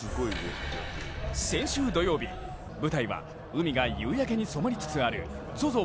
先週土曜日舞台は海が夕焼けに染まりつつあるＺＯＺＯ